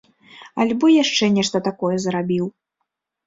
Альбо яшчэ нешта такое зрабіў.